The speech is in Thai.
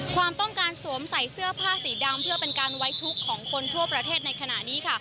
ความต้องการสวมใส่เสื้อผ้าสีดำเพื่อเป็นการไว้ทุกข์ของคนทั่วประเทศในขณะนี้ค่ะ